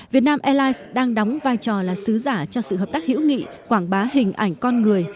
việt nam airlines đang đóng vai trò là sứ giả cho sự hợp tác hữu nghị quảng bá hình ảnh con người